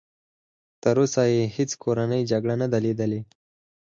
تر اوسه یې هېڅ کورنۍ جګړه نه ده لیدلې.